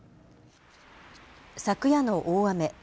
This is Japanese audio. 昨夜の大雨。